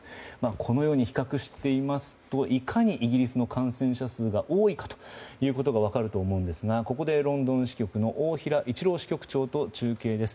このように比較していますといかにイギリスの感染者数が多いかということが分かると思うんですがここでロンドン支局の大平一郎支局長と中継です。